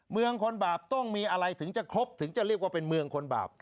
เมืองคนบาปต้องมีอะไรถึงจะครบถึงจะเรียกว่าเป็นเมืองคนบาป